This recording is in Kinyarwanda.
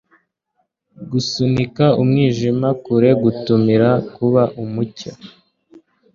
gusunika umwijima kure, gutumira kuba umucyo